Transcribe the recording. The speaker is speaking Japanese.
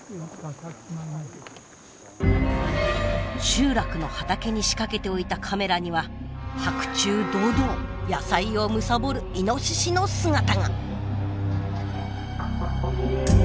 集落の畑に仕掛けておいたカメラには白昼堂々野菜を貪るイノシシの姿が。